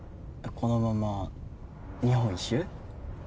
このまま日本一周？